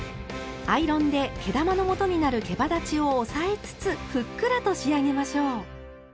アイロンで毛玉のもとになるけばだちを押さえつつふっくらと仕上げましょう。